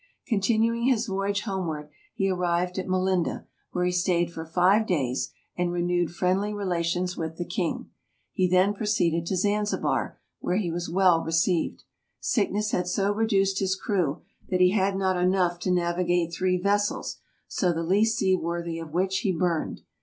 Continuing his voyage homeward he arrived at Melinda, where he stayed for five days, and renewed friendly relations with the king. He then proceeded to Zanzibar, where he was well received. Sickness had so reduced his crew that he had not enough to navigate three vessels, so the least seaworthy of which he burned.